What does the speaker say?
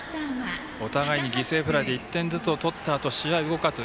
お互いに犠牲フライで１点ずつ取ったあと試合、動かず。